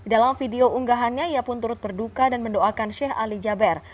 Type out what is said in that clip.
dalam video unggahannya ia pun turut berduka dan mendoakan sheikh ali jaber